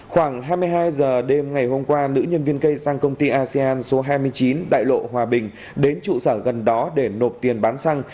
khoảng hai mươi hai h đêm ngày hôm qua nữ nhân viên cây sang công ty asean số hai mươi chín đại lộ hòa bình đến trụ sở gần đó để nộp tiền bán xăng